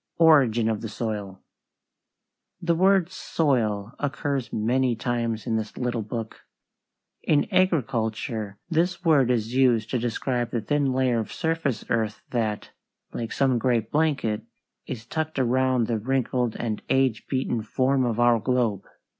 ORIGIN OF THE SOIL The word soil occurs many times in this little book. In agriculture this word is used to describe the thin layer of surface earth that, like some great blanket, is tucked around the wrinkled and age beaten form of our globe.